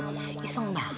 iseng banget menurutnya